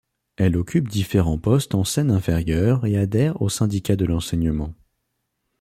Elle occupe différents poste en Seine-Inférieure et adhère au syndicat de l'enseignement.